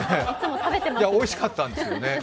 おいしかったんですけどね。